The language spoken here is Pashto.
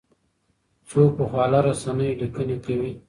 څوک په خواله رسنیو لیکنې کوي؟